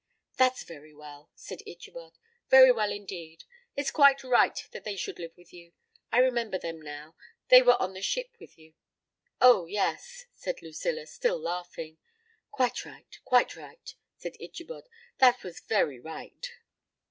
"That's very well," said Ichabod, "very well indeed. It's quite right that they should live with you. I remember them now; they were on the ship with you." "Oh, yes," said Lucilla, still laughing. "Quite right, quite right," said Ichabod; "that was very right."